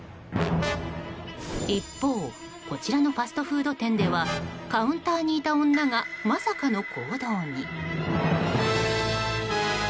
一方、こちらのファストフード店ではカウンターにいた女がまさかの行動に。